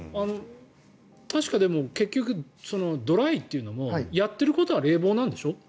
確か、でも結局ドライっていうのもやっていることは冷房なんでしょ？